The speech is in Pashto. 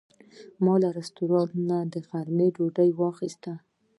ما له رستورانت نه د غرمې ډوډۍ واخیسته.